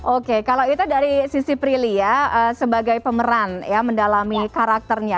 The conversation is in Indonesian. oke kalau itu dari sisi prilly ya sebagai pemeran ya mendalami karakternya